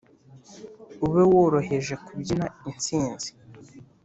ube woroheje kubyina intsinzi